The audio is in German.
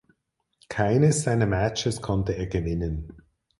Keines seiner Matches konnte er gewinnen.